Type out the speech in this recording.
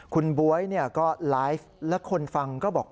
คุณบ๊วยไลฟ์คนฟังก็บอก